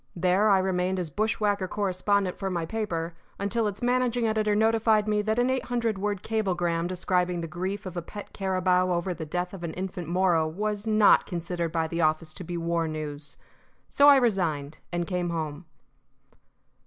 There I remained as bush whacker correspondent for my paper until its managing editor notified me that an eight hundred word cablegram describing the grief of a pet carabao over the death of an infant Moro was not considered by the office to be war news. So I resigned, and came home.